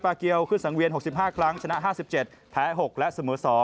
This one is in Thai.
เกียวขึ้นสังเวียน๖๕ครั้งชนะ๕๗แพ้๖และเสมอ๒